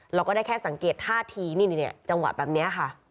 เราก็ได้แค่สังเกตท่าทีนี่จังหวะแบบนี้ค่ะ